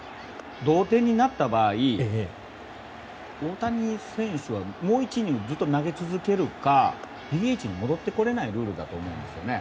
同点になった場合大谷選手はもう１イニング投げ続けるかＤＨに戻ってこれないルールなんですね。